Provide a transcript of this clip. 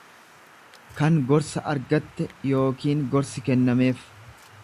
kan gorsa argatte yookiin gorsi kennameef.